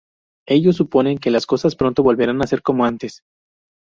Ellos suponen que las cosas pronto volverán a ser como antes.